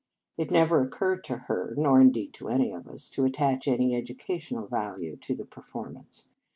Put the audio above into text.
It never occurred to her, nor indeed to any of us, to attach any educational value to the performance.